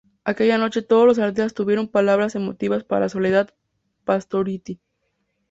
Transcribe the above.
Aquella noche todos los artistas tuvieron palabras emotivas para Soledad Pastorutti.